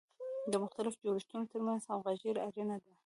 د مختلفو جوړښتونو ترمنځ همغږي اړینه ده.